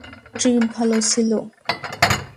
Trip ভালো ছিল?